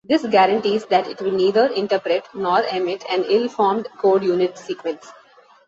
This guarantees that it will neither interpret nor emit an ill-formed code unit sequence.